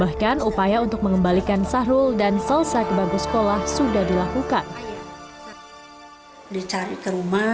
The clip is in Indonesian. bahkan upaya untuk mengembalikan sahrul dan selesai dengan keadaan ini tidak terlalu banyak